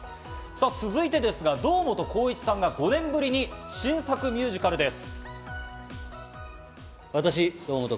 続いて堂本光一さんが５年ぶりに新作ミュージカルです。